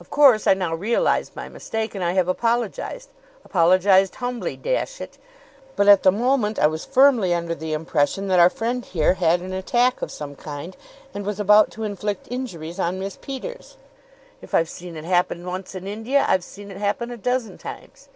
"Of course I now realize my mistake; and I have apologized apologized humbly dash it! But at the moment I was firmly under the impression that our friend here had an attack of some kind and was about to inflict injuries on Miss Peters. If I've seen it happen once in India, I've seen it happen a dozen times.